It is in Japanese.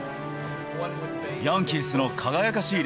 ヤンキースの輝かしい